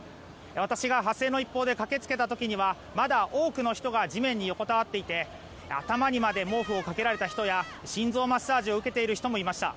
私が発生の一報で駆け付けた時にはまだ多くの人が地面に横たわっていて頭にまで毛布をかけられた人や心臓マッサージを受けている人もいました。